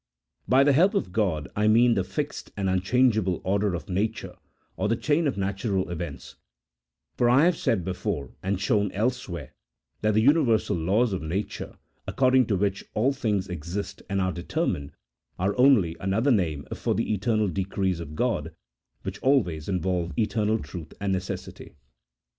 By the help of God, I mean the fixed and unchangeable order of nature or the chain of natural events : for I have said before and shown elsewhere that the universal laws of nature, according to which all things exist and are deter mined, are only another name for the eternal decrees of God, which always involve eternal truth and necessity.